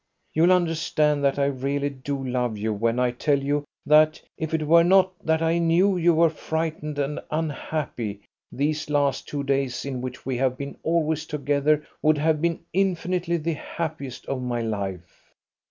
You'll understand that I really do love you when I tell you that, if it were not that I knew you were frightened and unhappy, these last two days in which we have been always together would have been infinitely the happiest of my life."